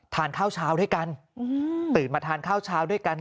ทานข้าวเช้าด้วยกันตื่นมาทานข้าวเช้าด้วยกัน